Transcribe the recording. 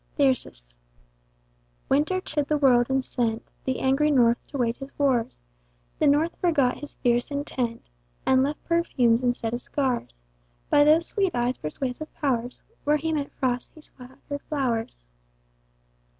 Thyrsis. Winter chid the world, and sent The angry North to wage his wars: The North forgot his fierce intent, And left perfumes, instead of scars: By those sweet eyes' persuasive powers, Where he meant frosts, he scattered flowers.